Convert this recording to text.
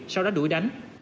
sau đó đuổi đánh